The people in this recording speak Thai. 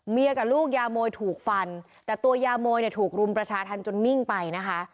กับลูกยามวยถูกฟันแต่ตัวยามวยเนี่ยถูกรุมประชาธรรมจนนิ่งไปนะคะ